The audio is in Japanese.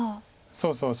そうそう。